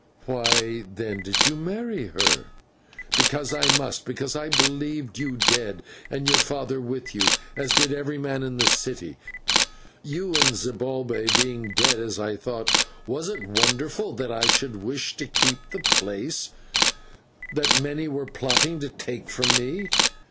"Why, then, did you marry her?" "Because I must, and because I believed you dead, and your father with you, as did every man in the city. You and Zibalbay being dead, as I thought, was it wonderful that I should wish to keep the place that many were plotting to take from me?